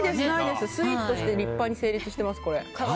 スイーツとして立派に成立しています。